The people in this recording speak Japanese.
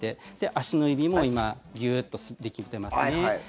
足の指も今、ギューッとできてますね。